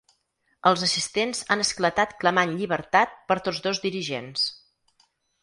Els assistents han esclatat clamant ‘Llibertat’ per tots dos dirigents.